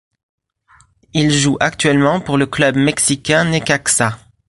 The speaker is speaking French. Il joue actuellement pour le club mexicain Necaxa.